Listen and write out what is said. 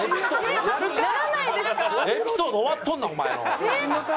エピソード終わっとんなお前の。